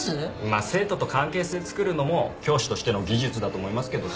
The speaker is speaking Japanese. まあ生徒と関係性つくるのも教師としての技術だと思いますけど。